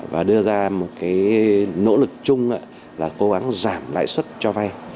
và đưa ra một cái nỗ lực chung là cố gắng giảm lãi suất cho vay